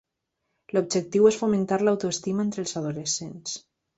L'objectiu és fomentar l'autoestima entre els adolescents.